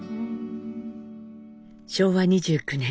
昭和２９年。